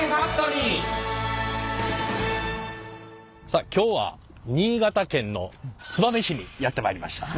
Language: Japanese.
さあ今日は新潟県の燕市にやって参りました。